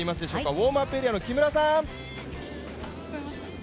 ウォームアップエリアの木村さん。